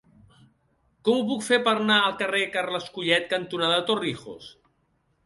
Com ho puc fer per anar al carrer Carles Collet cantonada Torrijos?